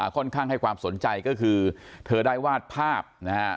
ค่อนข้างให้ความสนใจก็คือเธอได้วาดภาพนะฮะ